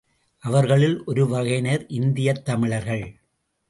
அவர்களுள் ஒருவகையினர் இந்தியத் தமிழர்கள்.